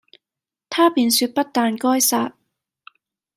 他便説不但該殺，